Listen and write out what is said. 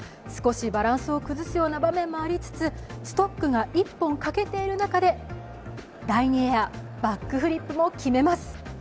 少し、バランスを崩すような場面もありつつストックが１本欠けている中で第２エア、バックフリップも決めます。